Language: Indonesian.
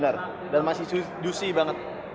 benar dan masih juicy banget